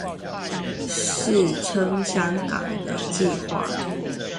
是撐香港的計畫